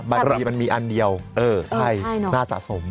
บางทีมันมีอันเดียวใช่น่าสะสม